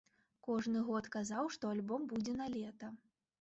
Кожны год казаў, што альбом будзе налета.